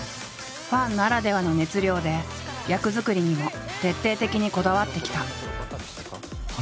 ファンならではの熱量で役作りにも徹底的にこだわってきた。